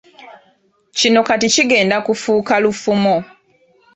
Kino kati kigenda kufuuka lufumo